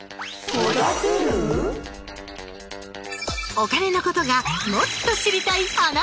お金のことがもっと知りたいあなた！